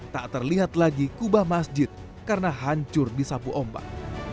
tak terlihat lagi kubah masjid karena hancur di sapu ombak